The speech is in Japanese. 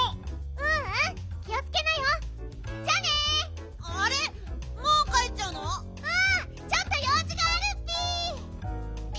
うんちょっとようじがあるッピ！